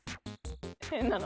変なの。